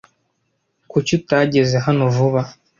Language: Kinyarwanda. Kuki utageze hano vuba?